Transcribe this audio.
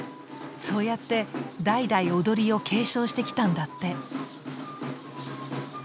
そうやって代々踊りを継承してきたんだって。